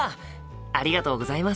ありがとうございます。